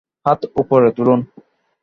হাত উপরে তুলুন।